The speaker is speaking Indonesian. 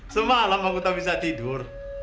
semalam aku tak bisa tidur